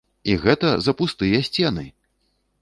І гэта за пустыя сцены!